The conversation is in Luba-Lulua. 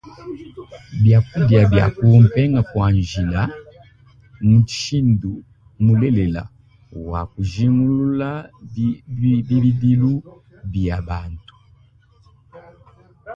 Biakudia bia kumpenga kua njila mmushindu mulelela wa kujingulula bibidilu bia bantu.